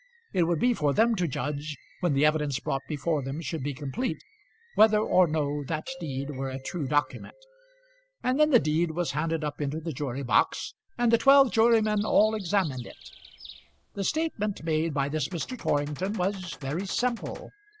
It would be for them to judge, when the evidence brought before them should be complete, whether or no that deed were a true document. And then the deed was handed up into the jury box, and the twelve jurymen all examined it. The statement made by this Mr. Torrington was very simple.